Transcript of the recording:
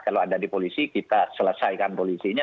kalau ada di polisi kita selesaikan polisinya